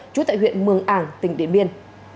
trú tại huyện mường ảng tỉnh điện biên